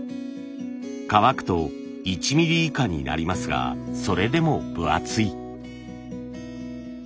乾くと１ミリ以下になりますがそれでも分厚い。